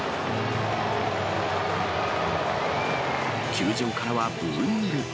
球場からはブーイング。